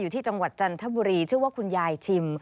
ที่จังหวัดจันทบุรีชื่อว่าคุณยายชิม